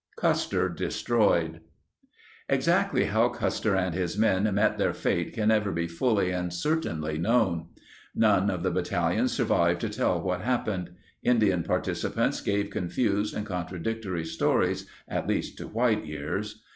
Custer Destroyed Exactly how Custer and his men met their fate can never be fully and certainly known. None of the battalion survived to tell what happened. Indian participants gave confused and contradictory sto ries, at least to white ears.